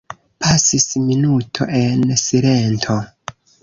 Pasis minuto en silento.